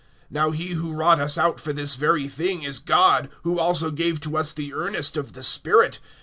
(5)Now he who wrought us out for this very thing is God, who also gave to us the earnest of the Spirit.